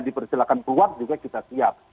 di persilahkan keluar juga kita siap